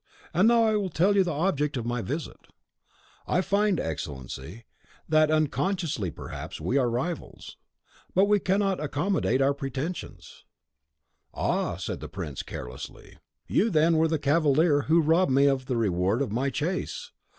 And now I will tell you the object of my visit. I find, Excellency, that, unconsciously perhaps, we are rivals. Can we not accommodate out pretensions!" "Ah!" said the prince, carelessly, "you, then, were the cavalier who robbed me of the reward of my chase.